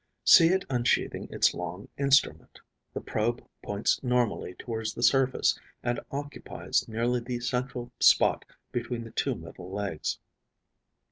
See it unsheathing its long instrument. The probe points normally towards the surface and occupies nearly the central spot between the two middle legs.